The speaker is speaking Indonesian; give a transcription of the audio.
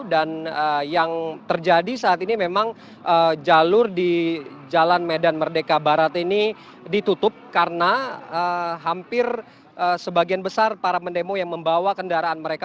dan yang terjadi saat ini memang jalur di jalan medan merdeka barat ini ditutup karena hampir sebagian besar para pendemo yang membawa kendaraan mereka